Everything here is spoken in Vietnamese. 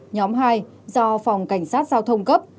nhóm hai do phòng cảnh sát giao thông cấp